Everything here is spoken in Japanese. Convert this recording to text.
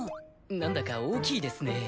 なんだか大きいですね。